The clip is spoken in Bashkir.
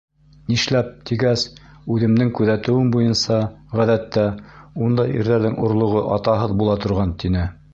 Нишләп, тигәс, үҙемдең күҙәтеүем буйынса, ғәҙәттә, ундай ирҙәрҙең орлоғо атаһыҙ була торған, тине.